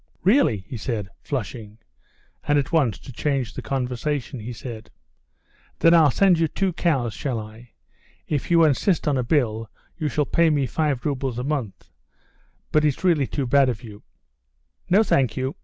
"Really," he said, flushing, and at once, to change the conversation, he said: "Then I'll send you two cows, shall I? If you insist on a bill you shall pay me five roubles a month; but it's really too bad of you." "No, thank you.